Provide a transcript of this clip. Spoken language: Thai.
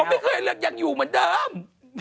ไม่เคยเลยยังอยู่เหมือนเดิม